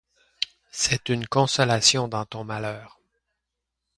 C’est une consolation dans ton malheur.